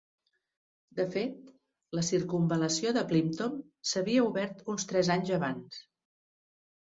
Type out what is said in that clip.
De fet, la circumval·lació de Plympton s'havia obert uns tres anys abans.